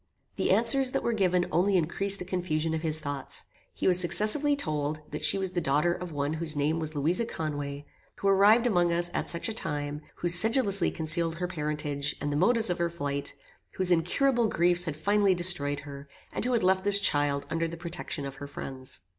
The answers that were given only increased the confusion of his thoughts. He was successively told, that she was the daughter of one whose name was Louisa Conway, who arrived among us at such a time, who sedulously concealed her parentage, and the motives of her flight, whose incurable griefs had finally destroyed her, and who had left this child under the protection of her friends.